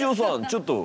ちょっと。